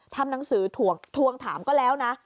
ทำหนังสือทวงถามก็แล้วนะ